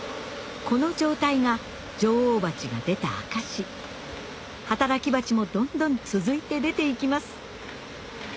この状態が女王蜂が出た証し働き蜂もどんどん続いて出ていきます